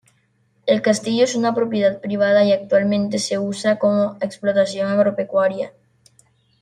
El castillo es de propiedad privada y actualmente se utilizan como explotación agropecuaria.